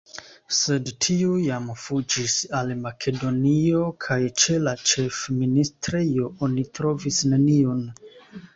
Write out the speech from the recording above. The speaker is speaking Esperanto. Sed tiu jam fuĝis al Makedonio kaj ĉe la ĉefministrejo oni trovis neniun.